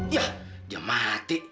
yah dia mati